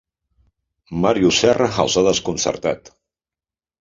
Màrius Serra els ha desconcertat.